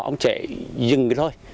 ông chạy dừng thôi